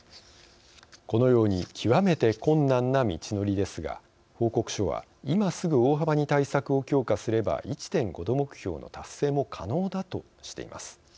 このように極めて困難な道のりですが報告書は今すぐ大幅に対策を強化すれば１．５℃目標の達成も可能だとしています。